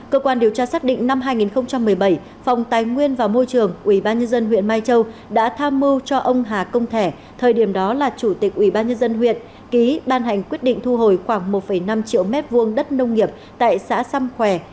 cơ quan điều tra xác định năm hai nghìn một mươi bảy phòng tài nguyên và môi trường ubnd huyện mai châu đã tham mưu cho ông hà công thẻ thời điểm đó là chủ tịch ubnd huyện ký ban hành quyết định thu hồi khoảng một năm triệu m hai đất nông nghiệp tại xã xăm khoe